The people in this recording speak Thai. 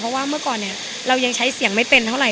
เพราะว่าเมื่อก่อนเนี่ยเรายังใช้เสียงไม่เป็นเท่าไห